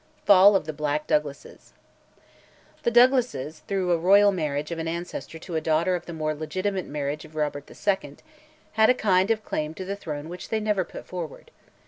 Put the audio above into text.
FALL OF THE BLACK DOUGLASES. The Douglases, through a royal marriage of an ancestor to a daughter of the more legitimate marriage of Robert II., had a kind of claim to the throne which they never put forward.